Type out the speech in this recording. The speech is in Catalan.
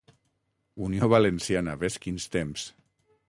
Unió Valenciana, vés quins temps.